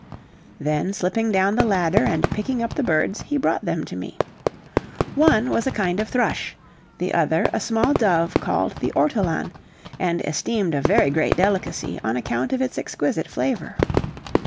Then slipping down the ladder, and picking up the birds, he brought them to me. One was a kind of thrush, the other a small dove called the ortolan, and esteemed a very great delicacy on account of its exquisite flavor.